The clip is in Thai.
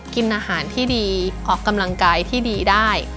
กินอาหารที่ดีออกกำลังกายที่ดีได้